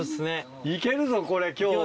いけるぞこれ今日は。